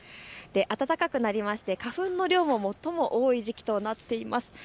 暖かくなりまして花粉の量も最も多い時期となっています。